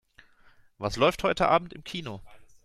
Was läuft heute Abend im Kino?